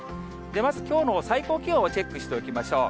まずきょうの最高気温をチェックしておきましょう。